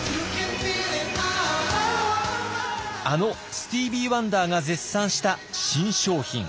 あのスティービー・ワンダーが絶賛した新商品。